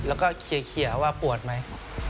แล้วก็เคลียร์ว่าปวดไหม